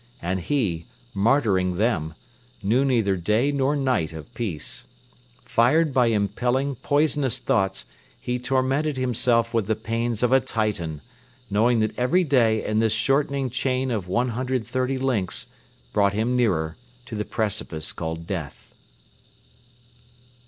And he, martyring them, knew neither day nor night of peace. Fired by impelling, poisonous thoughts, he tormented himself with the pains of a Titan, knowing that every day in this shortening chain of one hundred thirty links brought him nearer to the precipice called "Death."